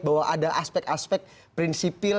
bahwa ada aspek aspek prinsipil